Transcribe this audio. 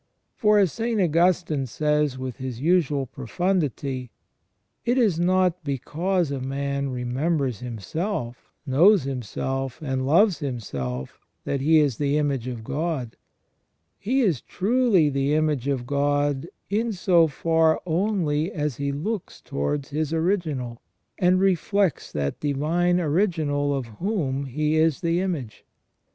For, as St. Augustine says with his usual profundity :" It is not because a man remembers himself, knows himself, and loves him self, that he is the image of God ; he is truly the image of God in so far only as he looks towards his Original, and reflects that Divine Original of whom he is the image.